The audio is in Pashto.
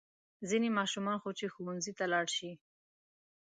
ځینې ماشومان خو چې ښوونځي ته لاړ شي.